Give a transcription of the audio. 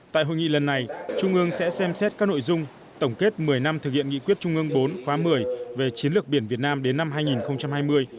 tại hội nghị lần này trung ương sẽ xem xét các nội dung tổng kết một mươi năm thực hiện nghị quyết trung ương bốn khóa một mươi về chiến lược biển việt nam đến năm hai nghìn hai mươi